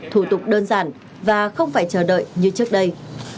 thủ tục đơn giản và không phải chờ đợi như trước đây